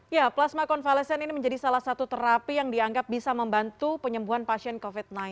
ya plasma konvalesen ini menjadi salah satu terapi yang dianggap bisa membantu penyembuhan pasien covid sembilan belas